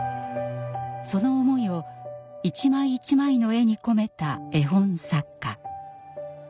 その思いを一枚一枚の絵に込めた絵本作家。